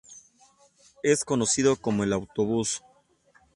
Es conocido como "el autobús".